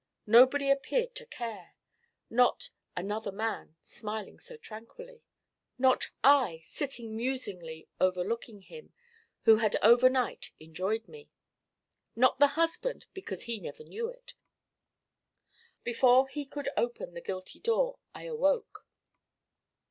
Nobody appeared to care: not 'another man' smiling so tranquilly: not I sitting musingly overlooking him who had overnight 'enjoyed me': not the husband, because he never knew it before he could open the guilty door I awoke.